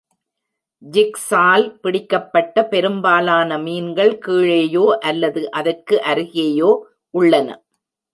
ஜிக்ஸால் பிடிக்கப்பட்ட பெரும்பாலான மீன்கள் கீழேயோ அல்லது அதற்கு அருகேயோ உள்ளன.